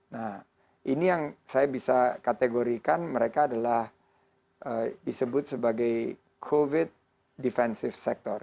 nah ini yang saya bisa kategorikan mereka adalah disebut sebagai covid defensive sector